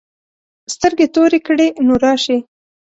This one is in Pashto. سترګې تورې کړې نو راشې.